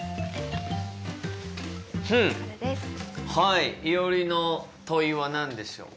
いおりの問いは何でしょう？